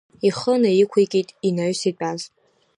Ихы наиқәикит инаҩс итәаз.